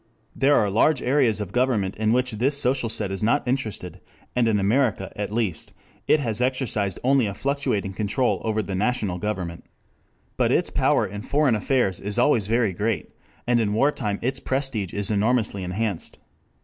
There are large areas of governments in which this social set is not interested, and in America, at least, it has exercised only a fluctuating control over the national government. But its power in foreign affairs is always very great, and in war time its prestige is enormously enhanced.